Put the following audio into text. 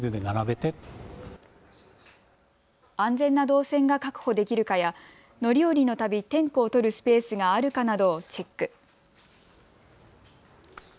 安全な動線が確保できるかや乗り降りのたび点呼をとるスペースがあるかなどをチェック。